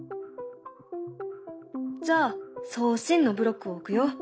じゃあ「送信」のブロックを置くよ。